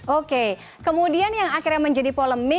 oke kemudian yang akhirnya menjadi polemik